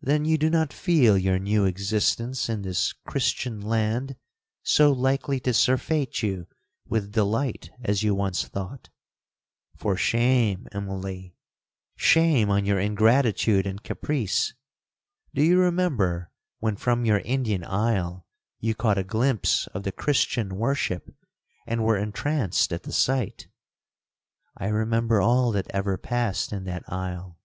'—'Then you do not feel your new existence in this Christian land so likely to surfeit you with delight as you once thought? For shame, Immalee—shame on your ingratitude and caprice! Do you remember when from your Indian isle you caught a glimpse of the Christian worship, and were entranced at the sight?'—'I remember all that ever passed in that isle.